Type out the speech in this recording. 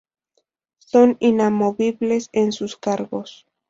Son inamovibles en sus cargos.